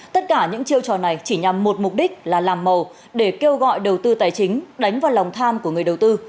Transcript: tất cả những chiêu trò này chỉ nhằm một mục đích là làm màu để kêu gọi đầu tư tài chính đánh vào lòng tham của người đầu tư